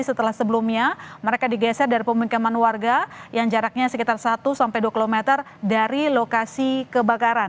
setelah sebelumnya mereka digeser dari pemukiman warga yang jaraknya sekitar satu sampai dua km dari lokasi kebakaran